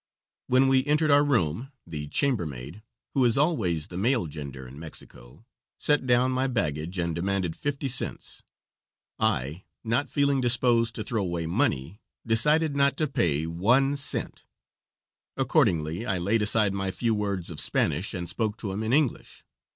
When we entered our room the chambermaid who is always of the male gender in Mexico set down my baggage and demanded fifty cents. I, not feeling disposed to throw money away, decided not to pay one cent. Accordingly, I laid aside my few words of Spanish and spoke to him in English.